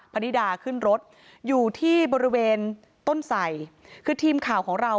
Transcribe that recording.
พนิดาขึ้นรถอยู่ที่บริเวณต้นใส่คือทีมข่าวของเรา